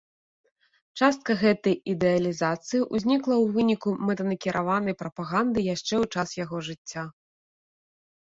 Частка гэтай ідэалізацыі ўзнікла ў выніку мэтанакіраванай прапаганды яшчэ ў час яго жыцця.